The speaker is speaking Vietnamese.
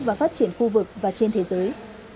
và phát triển khu vực và trên thế giới